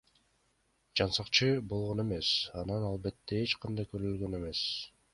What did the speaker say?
Жансакчы болгон эмес, анан албетте эч кандай корголгон эмес.